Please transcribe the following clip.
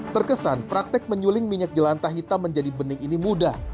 terkesan praktek menyuling minyak jelantah hitam menjadi bening ini mudah